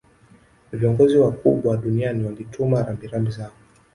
Viongozi wakubwa duniani walituma rambirambi zao